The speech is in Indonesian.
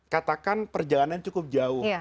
katakan perjalanan cukup jauh